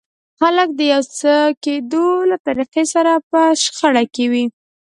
خلک د يو څه د کېدو له طريقې سره په شخړه کې وي.